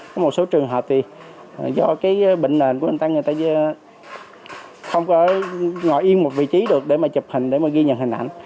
có một số trường hợp thì do cái bệnh nền của bệnh tăng người ta không có ngồi yên một vị trí được để mà chụp hình để mà ghi nhận hình ảnh